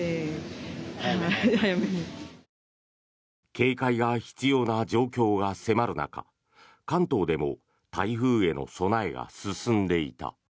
警戒が必要な状況が迫る中関東でも台風への備えが進んでいた。